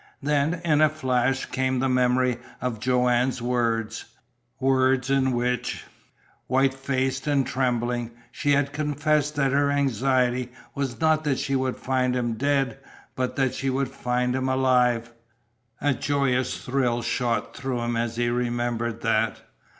Then, in a flash, came the memory of Joanne's words words in which, white faced and trembling, she had confessed that her anxiety was not that she would find him dead, but that she would find him alive. A joyous thrill shot through him as he remembered that.